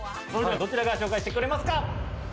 どちらが紹介してくれますか？